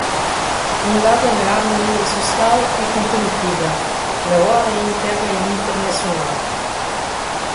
fundada na harmonia social e comprometida, na ordem interna e internacional